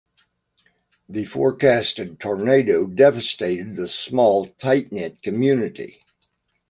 The forecasted tornado devastated the small tight-knit community.